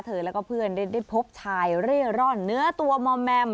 แล้วก็เพื่อนได้พบชายเร่ร่อนเนื้อตัวมอมแมม